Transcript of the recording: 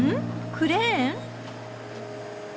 クレーン。